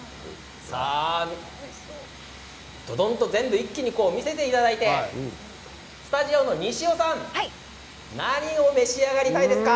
どどんと一気に見せていただいてスタジオの西尾さん何を召し上がりたいですか？